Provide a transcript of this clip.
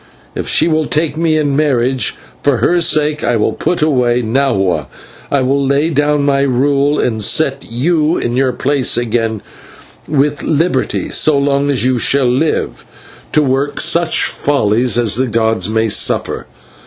If she will take me in marriage, for her sake I will put away Nahua; I will lay down my rule and set you in your place again, with liberty, so long as you shall live, to work such follies as the gods may suffer.